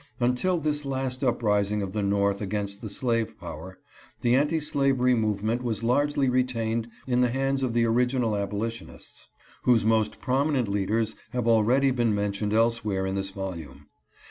Until this last uprising of the North against the slave power the anti slavery movement was largely retained in the hands of the original abolitionists, whose most prominent leaders have already been mentioned elsewhere in this volume.